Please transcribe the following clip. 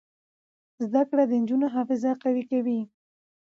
زده کړه د نجونو حافظه قوي کوي.